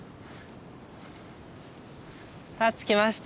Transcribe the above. あ着きました。